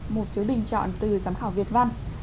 một phiếu bình chọn từ giám khảo việt văn